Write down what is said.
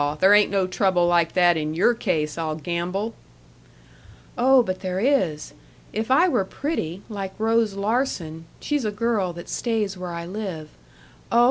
There ain't no trouble like that in your case, I'll gamble!" "Oh, but there is. If I were pretty, like Rose Larsen she's a girl that stays where I live oh!